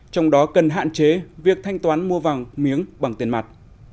trong đó cần hạn chế việc thanh toán mua vàng miếng bằng tiền mặt